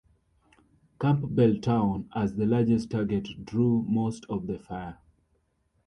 "Campbeltown"-as the largest target-drew most of the fire.